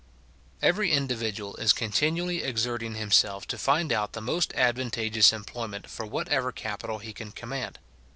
Every individual is continually exerting himself to find out the most advantageous employment for whatever capital he can command.